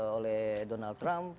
oleh donald trump